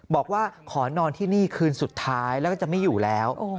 บอกว่าขอนอนที่นี่คืนสุดท้ายแล้วก็จะไม่อยู่แล้ว